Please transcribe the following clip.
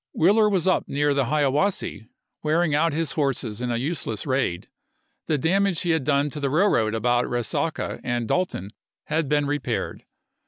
Wheeler was up near the Hiawassee wearing out his horses in a useless raid. The damage he had done to the railroad about Resaca and Dalton had been re paired.